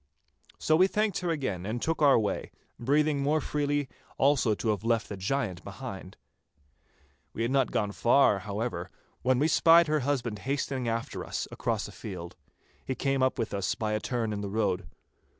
So we thanked her again and took our way, breathing more freely also to have left the giant behind. We had not gone far, however, when we spied her husband hastening after us across a field. He came up with us by a turn in the road.